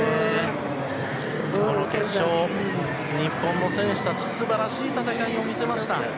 この決勝、日本の選手たちは素晴らしい戦いを見せました。